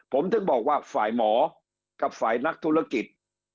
ผมถึงบอกว่าฝ่ายหมอกับฝ่ายนักธุรกิจ